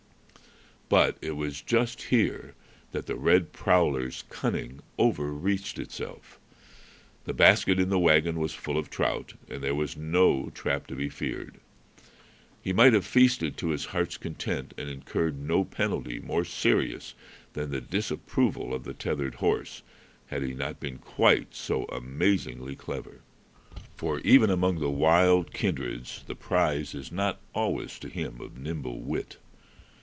But it was just here that the red prowler's cunning overreached itself. The basket in the wagon was full of trout, and there was no trap to be feared. He might have feasted to his heart's content, and incurred no penalty more serious than the disapproval of the tethered horse, had he not been quite so amazingly clever. For even among the wild kindreds the prize is not always to him of nimble wit.